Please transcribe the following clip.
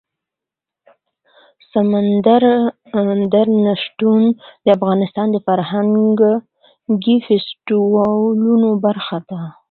سمندر نه شتون د افغانستان د فرهنګي فستیوالونو برخه ده.